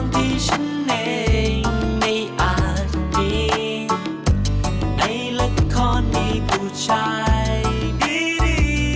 มีละครมีผู้ชายดี